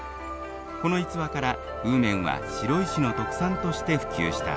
この逸話から温麺は白石の特産として普及した。